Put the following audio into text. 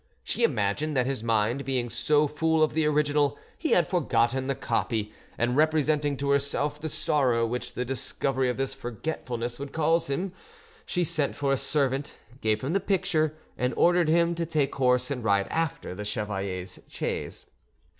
She imagined that his mind being so full of the original, he had forgotten the copy, and representing to herself the sorrow which the discovery of this forgetfulness would cause him, she sent for a servant, gave him the picture, and ordered him to take horse and ride after the chevalier's chaise.